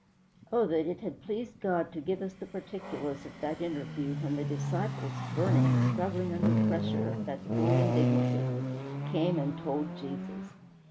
Oh that it had pleased God to give us the particulars of that interview when the disciples, burning, struggling under pressure of that cruel indignity, came and told Jesus!